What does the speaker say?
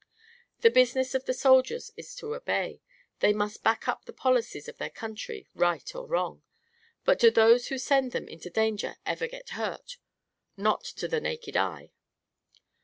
The business of the soldiers is to obey; they must back up the policies of their country, right or wrong. But do those who send them into danger ever get hurt? Not to the naked eye."